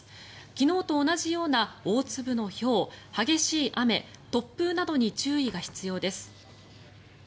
昨日と同じような大粒のひょう激しい雨、突風などに注意が必要です。